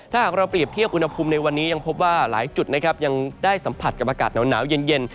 ถ้าหากเราเปรียบเทียบอุณหภูมิในวันนี้ยังพบว่าหลายจุดนะครับยังได้สัมผัสกับอากาศหนาวเย็น